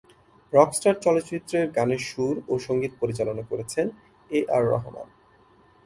Rockstar চলচ্চিত্রের গানের সুর ও সঙ্গীত পরিচালনা করেছেন এ আর রহমান।